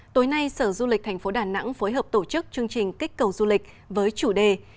tối nay sở du lịch tp đà nẵng phối hợp tổ chức chương trình kích cầu du lịch với chủ đề